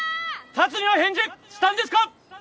竜には返事したんですか！